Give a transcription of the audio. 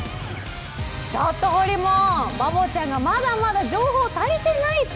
ちょっとほりもんバボちゃんがまだまだ情報が足りてないって。